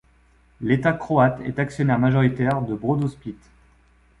L'État croate est actionnaire majoritaire de BrodoSplit.